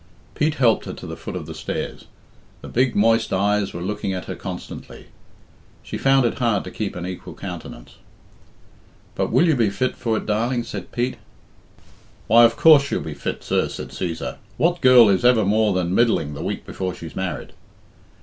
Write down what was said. Pete helped her to the foot of the stairs. The big, moist eyes were looking at her constantly. She found it hard to keep an equal countenance. "But will you be fit for it, darling?" said Pete. "Why, of course she'll be fit, sir," said Cæsar. "What girl is ever more than middling the week before she's married?"